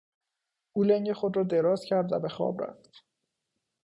او لنگ خود را دراز کرد و بهخواب رفت.